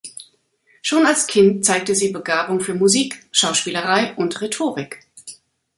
Schon als Kind zeigte sie Begabung für Musik, Schauspielerei und Rhetorik.